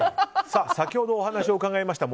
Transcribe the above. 先ほどお話を伺いました